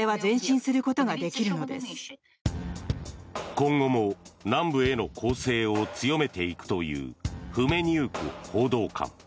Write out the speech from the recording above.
今後も南部への攻勢を強めていくというフメニウク報道官。